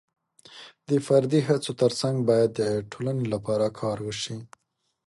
د فردي هڅو ترڅنګ باید د ټولنې لپاره کار وشي.